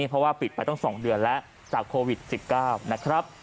เพราะว่าปิดไปตั้ง๒เดือนแล้วจากโควิด๑๙นะครับ